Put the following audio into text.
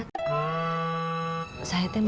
saya mau tanya